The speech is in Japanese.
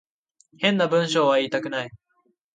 変な文章は言いたくない